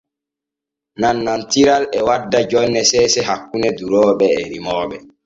Nannantiral e wadda jonne seese hakkune durooɓe e remooɓe.